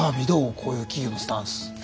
こういう企業のスタンス。